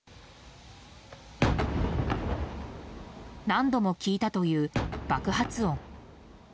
何度も聞いたという爆発音。